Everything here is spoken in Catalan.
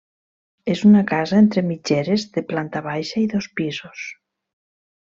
És una casa entre mitgeres de planta baixa i dos pisos.